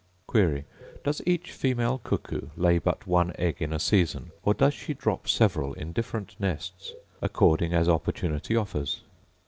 Query.—Does each female cuckoo lay but one egg in a season, or does she drop several in different nests according as opportunity offers?